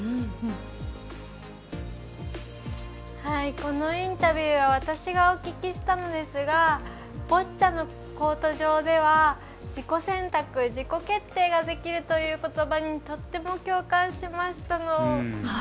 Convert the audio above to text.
このインタビューは私がお聞きしたのですがボッチャのコート上では自己選択、自己決定ができるということばにとっても共感しました。